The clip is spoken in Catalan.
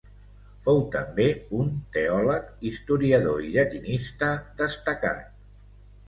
Fou també un teòleg, historiador i llatinista destacat.